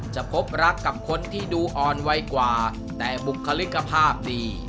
พบรักกับคนที่ดูอ่อนไวกว่าแต่บุคลิกภาพดี